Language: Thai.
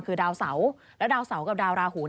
คือดาวเสาแล้วดาวเสากับดาวราหู